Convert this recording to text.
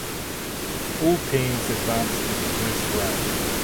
All teams advanced to the first round.